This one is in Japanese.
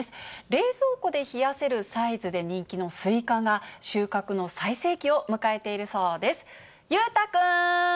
冷蔵庫で冷やせるサイズで人気のスイカが、収穫の最盛期を迎えているそうです。